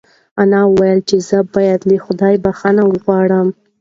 انا وویل چې زه باید له خدایه بښنه وغواړم.